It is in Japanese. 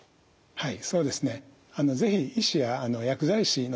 はい。